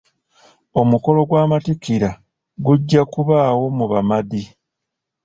Omukolo gw'amatikkira gujja kubawo mu Bamadi.